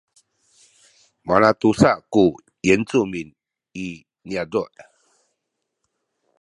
malatusa ku yincumin i niyazu’